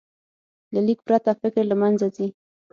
له لیک پرته، فکر له منځه ځي.